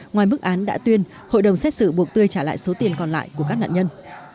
ngoài mức án đã tuyên hội đồng xét xử buộc tươi trả lại số tiền còn lại của các nạn nhân